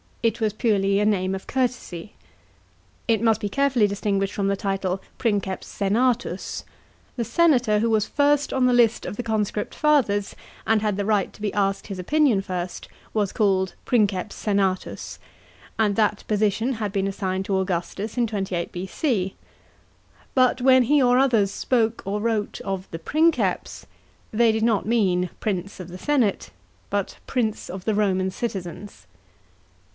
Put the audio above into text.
It was purely a name of courtesy. It must be carefully distinguished from the title princeps senatus. The senator who was first on the list of the conscript fathers, and had a right to be asked his opinion first, was called princeps senatus ; and that position had been assigned to Augustus in 28 B.C. But when he or others spoke or wrote of the princepsy they did not mean " prince of the senate," but " prince of the Roman citizens."